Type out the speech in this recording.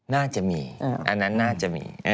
น่าจะมีอันนั้นน่าจะมี